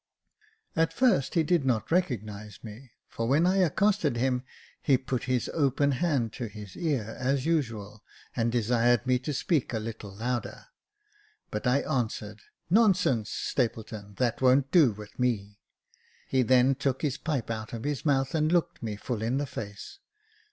At first he did not recognise me, for when I accosted him, he put his open hand to his ear, as usual, and desired me to speak a little louder, but I answered, "Nonsense, Stapleton, that won't do with me." He then took his pipe out of his mouth, and looked me full in the face.